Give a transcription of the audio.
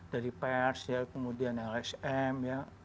dari pers kemudian lsm